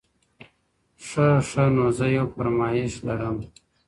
- ښه ښه، نو زه یو فرمایش لرم.